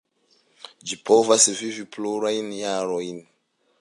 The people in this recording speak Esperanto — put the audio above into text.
Ĝi povas vivi plurajn jarojn.